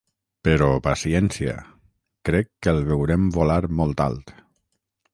Però paciència, crec que el veurem volar molt alt.